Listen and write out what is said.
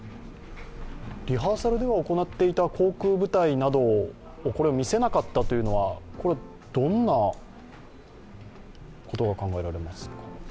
リハーサルでは行っていた航空部隊などを見せなかったのはどんなことが考えられますか？